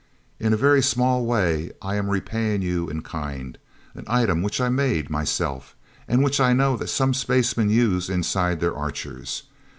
In a very small way I am repaying to you in kind an item which I made, myself, and which I know that some spacemen use inside their Archers.